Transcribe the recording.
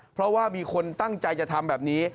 เพราะว่ามีคนตั้งใจจะทำแบบนี้